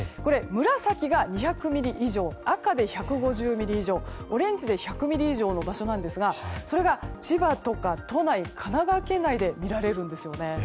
紫が２００ミリ以上赤で１５０ミリ以上オレンジで１００ミリ以上の場所なんですがそれが千葉とか都内神奈川県内で見られるんですよね。